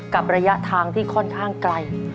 ระยะทางที่ค่อนข้างไกล